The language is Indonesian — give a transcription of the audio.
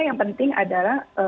yang penting adalah